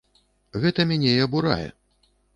Гэта мяне і абурае!